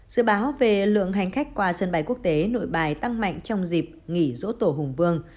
dự báo về lượng hành khách qua sân bay quốc tế nội bài tăng mạnh trong dịp nghỉ dỗ tổ hùng vương